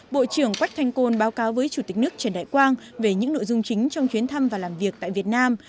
bộ trưởng quách thanh côn báo cáo với chủ tịch nước trần đại quang về những nội dung chính trong chuyến thăm và làm việc tại việt nam